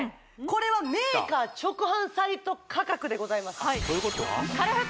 これはメーカー直販サイト価格でございますということは？